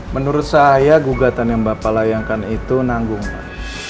menurut saya gugatan yang bapak layankan itu nanggung pak